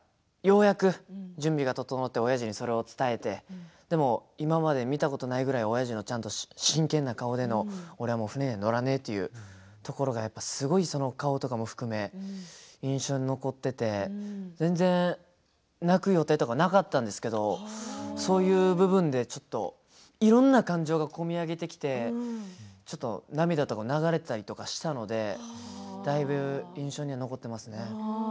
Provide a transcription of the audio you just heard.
ようやく準備が整っておやじにそれを伝えてでも今まで見たことないくらいおやじの真剣な顔での俺はもう船には乗らねえというところがすごいその顔とかも含め印象に残っていて全然、泣く予定とかはなかったんですけれどそういう部分でちょっといろいろな感情が込み上げてきてちょっと涙とかも流れたりしていたのでだいぶ印象には残っていますね。